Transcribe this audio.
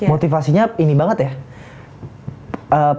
motivasinya ini banget ya